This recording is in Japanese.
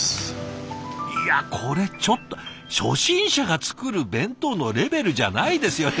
いやこれちょっと初心者が作る弁当のレベルじゃないですよ！